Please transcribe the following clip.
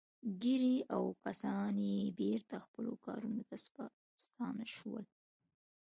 ګیري او کسان یې بېرته خپلو کارونو ته ستانه شول